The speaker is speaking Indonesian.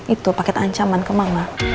itu paket ancaman ke mama